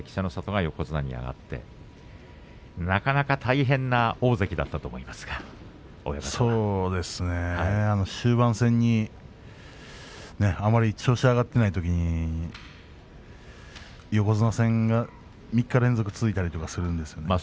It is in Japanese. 大変な大関だったと思いますが終盤戦に、あまり調子が上がっていないときに横綱戦が３日連続続いたりするんですね。